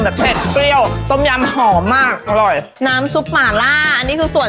แบบครบทุกน้ำซุปเลย